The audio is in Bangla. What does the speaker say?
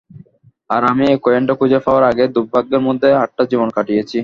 আর আমি এই কয়েনটা খুঁজে পাওয়ার আগে দুর্ভাগ্যের মধ্যে আটটা জীবন কাটিয়েছি।